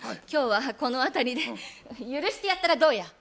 今日はこの辺りで許してやったらどうや！